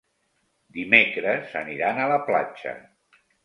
Dimecres aniran a la platja.